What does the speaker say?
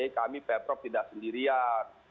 kami pemprov tidak sendirian